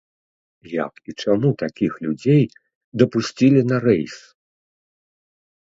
Як і чаму такіх людзей дапусцілі на рэйс?